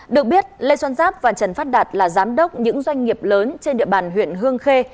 được biết lê xuân giáp và trần phát đạt là giám đốc những doanh nghiệp lớn trên địa bàn huyện hương khê